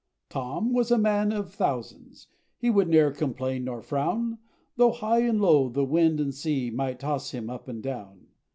Tom was a man of thousands; he Would ne'er complain nor frown, Though high and low the wind and sea Might toss him up and down.